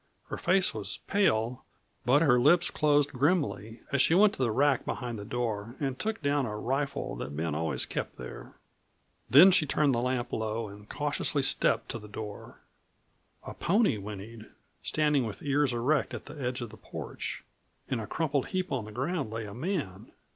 Her face was pale, but her lips closed grimly as she went to the rack behind the door and took down a rifle that Ben always kept there. Then she turned the lamp low and cautiously stepped to the door. A pony whinnied, standing with ears erect at the edge of the porch. In a crumpled heap on the ground lay a man.